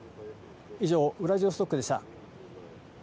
以上、ウラジオストクでした。